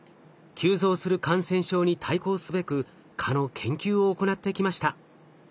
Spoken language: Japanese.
急増する感染症に対抗すべく蚊の研究を行ってきました。